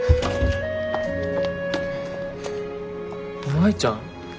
舞ちゃん。